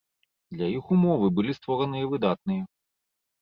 Для іх умовы былі створаныя выдатныя.